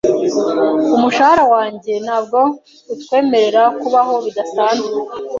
Umushahara wanjye ntabwo utwemerera kubaho bidasanzwe .